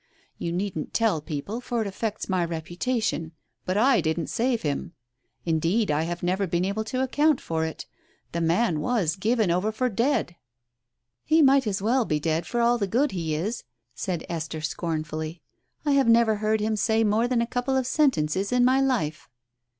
You needn't tell people, for it affects my reputation, but I didn't save him ! Indeed I have never been able to account for it. The man was given over for dead !" Digitized by Google 108 TALES OF THE UNEASY "He might as well be dead for all the good he is," said Esther scornfully. "I have never heard him say more than a couple of sentences in my life."